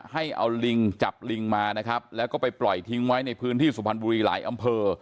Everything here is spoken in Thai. ให้เอาลิงจับลิงมานะครับแล้วก็ไปปล่อยทิ้งไว้ในพื้นที่สุพรรณบุรีหลายอำเภอ